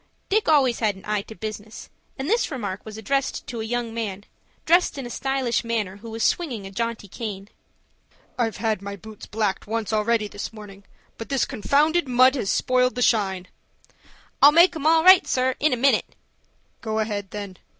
Dick always had an eye to business, and this remark was addressed to a young man, dressed in a stylish manner, who was swinging a jaunty cane. "I've had my boots blacked once already this morning, but this confounded mud has spoiled the shine." "I'll make 'em all right, sir, in a minute." "Go ahead, then."